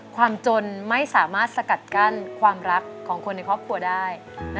ความจนไม่สามารถสกัดกั้นความรักของคนในครอบครัวได้